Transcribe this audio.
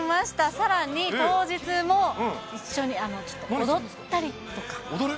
さらに当日も一緒に、踊ったりと踊る？